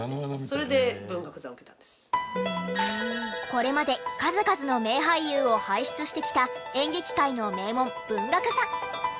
これまで数々の名俳優を輩出してきた演劇界の名門文学座。